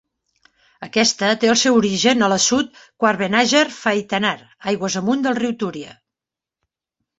Aquesta té el seu origen a l'assut Quart-Benàger-Faitanar, aigües amunt del riu Túria.